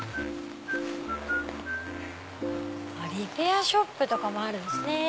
リペアショップとかもあるんですね。